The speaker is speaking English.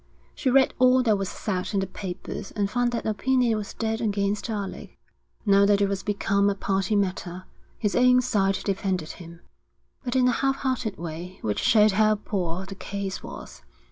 She read all that was said in the papers and found that opinion was dead against Alec. Now that it was become a party matter, his own side defended him; but in a half hearted way, which showed how poor the case was.